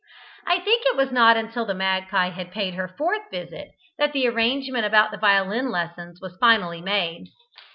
I think it was not until the magpie had paid her fourth visit that the arrangement about the violin lessons was finally made.